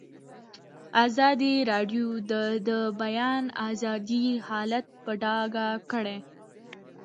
ازادي راډیو د د بیان آزادي حالت په ډاګه کړی.